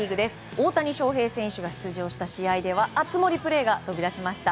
大谷翔平選手が出場した試合では熱盛プレーが飛び出しました。